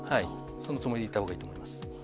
そのつもりでいたほうがいいと思います。